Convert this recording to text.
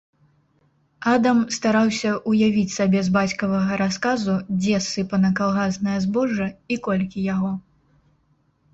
Адам стараўся ўявіць сабе з бацькавага расказу, дзе ссыпана калгаснае збожжа і колькі яго.